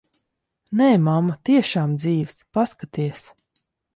Nē, mamma, tiešām dzīvs. Paskaties.